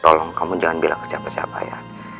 tolong kamu jangan bilang ke siapa siapa ya